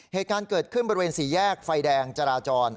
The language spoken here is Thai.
เหตุการณ์เกิดขึ้นบริเวณสี่แยกไฟแดงจราจร